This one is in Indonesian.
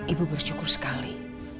ibu bersyukur sekali